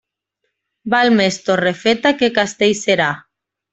Val més Torrefeta que Castellserà.